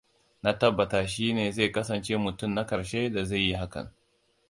Na tabbata shi ne zai kasance mutum na karshe da zai yi hakan.